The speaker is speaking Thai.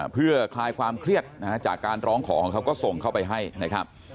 เพื่อคลายความเครียดนะฮะจากการร้องขอของเขาก็ส่งเข้าไปให้นะครับ